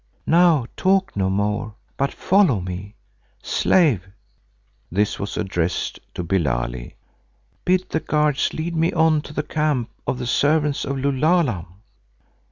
Now talk no more, but follow me. Slave" (this was addressed to Billali), "bid the guards lead on to the camp of the servants of Lulala."